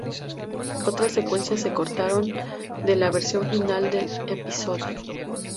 Otras secuencias se cortaron de la versión final del episodio.